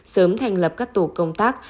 sớm thành lập các tổ công tác